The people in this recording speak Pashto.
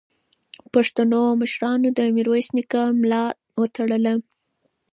پښتنو مشرانو د میرویس نیکه ملا وتړله.